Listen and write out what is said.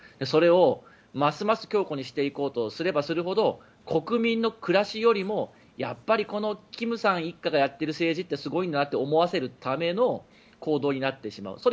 それをますます強固にしていこうとすればするほど国民の暮らしよりもやっぱりこの金さん一家がやっている政治ってすごいんだなって思わせるための行動になってしまう。